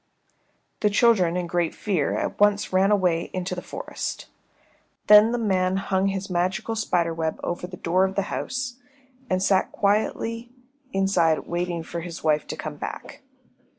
The children in great fear at once ran away into the forest. Then the man hung his magical spider web over the door of the house, and sat quietly inside waiting for his wife to come back.